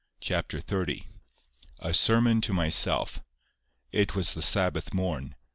CHAPTER XXX. A SERMON TO MYSELF. It was the Sabbath morn.